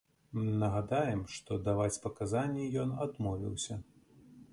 Нагадаем, што даваць паказанні ён адмовіўся.